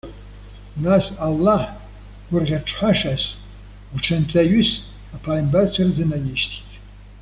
Нас Аллаҳ, гәырӷьаҽҳәашас, гәҽанҵаҩыс, аԥааимбарцәа рзынаишьҭит.